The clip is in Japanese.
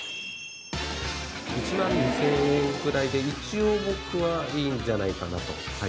１万２，０００円ぐらいで一応僕はいいんじゃないかなとはい。